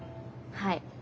はい。